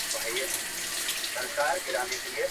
پرېږده پنځه زره کلن خوبونه وزنګوو